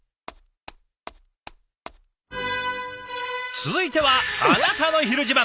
続いては「あなたのひる自慢」。